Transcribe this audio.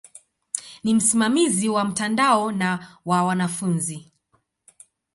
Ni msimamizi wa mtandao na wa wanafunzi.